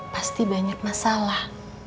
pasti banyak masalah